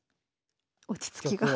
落ち着きが。